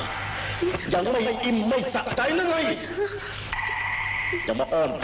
ยังไม่อิ่มไม่สะใจละไง